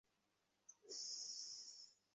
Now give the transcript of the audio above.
সে আপনার লোকদের হত্যা করেছে।